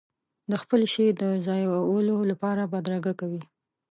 د خپل شي د ځایولو لپاره بدرګه کوي.